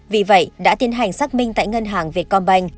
vì vậy đã tiến hành xác minh tại ngân hàng việt công banh